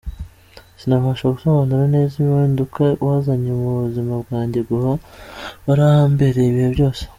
Sinabasha gusobanura neza impinduka wazanye mu buzima bwanjye gua warahambereye ibihe byose.